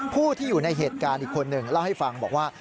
ผู้ที่อยู่ในเหตุการณ์อีกคนหนึ่งเล่าให้ฟังบอกว่า